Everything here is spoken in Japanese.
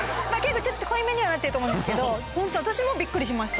ちょっと濃いめにはなってると思うんですけどホント私もびっくりしました。